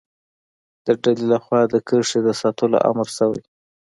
د ډلې له خوا د کرښې د ساتلو امر شوی.